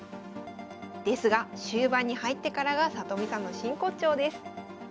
ですが終盤に入ってからが里見さんの真骨頂です。